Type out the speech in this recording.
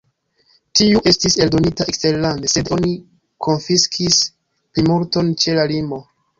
Tiu estis eldonita eksterlande, sed oni konfiskis plimulton ĉe la limo.